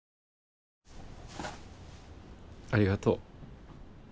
ありがとう。